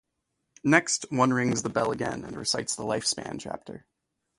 Next, one rings the bell again and recites the Life Span chapter.